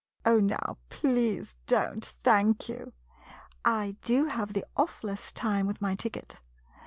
] Oh, now — please don't — thank you! I do have the awfullest time with my ticket.